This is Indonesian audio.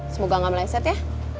semoga gak meleset ya